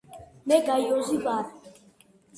მე გაიოზი ვარ!